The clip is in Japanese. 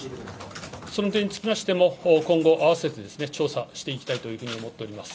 その点につきましても、今後、併せて調査していきたいというふうに思っております。